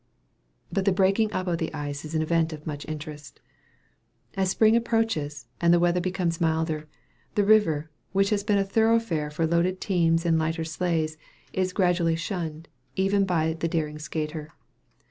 But the breaking up of the ice is an event of much interest. As spring approaches, and the weather becomes milder, the river, which has been a thoroughfare for loaded teams and lighter sleighs, is gradually shunned, even by the daring skater.